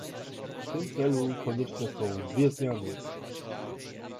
W tym celu konieczne są dwie zmiany